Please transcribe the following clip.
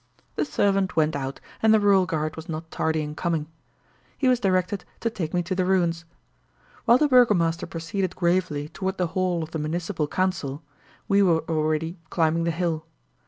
The servant went out and the rural guard was not tardy in coming. He was directed to take me to the ruins. While the burgomaster proceeded gravely toward the hall of the municipal council, we were already climbing the hill.